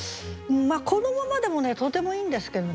このままでもとてもいいんですけどね。